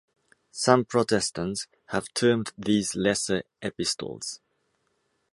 Some Protestants have termed these lesser epistles.